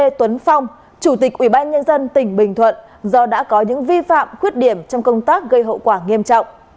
lê tuấn phong chủ tịch ubnd tỉnh bình thuận do đã có những vi phạm khuyết điểm trong công tác gây hậu quả nghiêm trọng